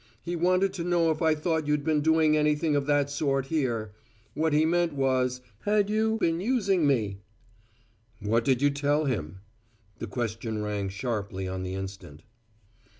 He wanted to know if I thought you'd been doing anything of that sort here. What he meant was: Had you been using me?" "What did you tell him?" The question rang sharply on the instant.